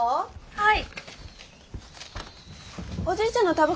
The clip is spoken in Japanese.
はい。